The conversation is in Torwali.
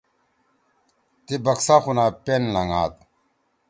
تی بکسا خُونا پین لھنگاد۔